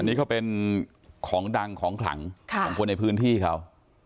อันนี้ก็เป็นของดังของขลังค่ะของคนในพื้นที่ครับ